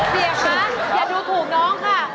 เบียบนะอย่าดูถูกน้องค่ะ